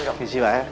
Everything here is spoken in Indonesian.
disini pak ya